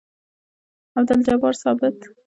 عبدالجبار ثابت زما یار جاني او د لوګر د شاه مزار دی.